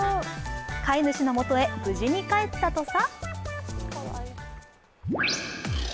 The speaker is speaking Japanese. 飼い主のもとへ無事に帰ったとさ。